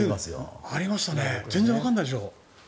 全然わからないでしょ。